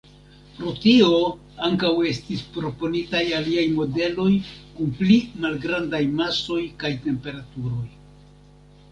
Pro tio, ankaŭ estis proponitaj aliaj modeloj kun pli malgrandaj masoj kaj temperaturoj.